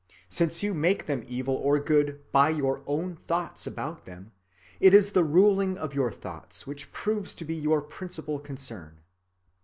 Since you make them evil or good by your own thoughts about them, it is the ruling of your thoughts which proves to be your principal concern.